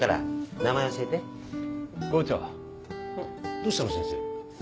どうしたの先生。